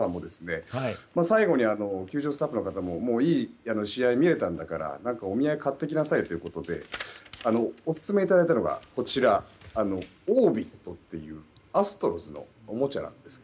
最後に球場スタッフの方もいい試合を見れたんだから何かお土産買ってきなさいよということでオススメいただいたのがオービットっていうアストロズのおもちゃです。